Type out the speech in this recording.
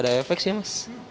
ada efek sih mas